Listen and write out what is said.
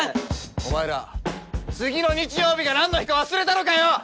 お前ら次の日曜日がなんの日か忘れたのかよ？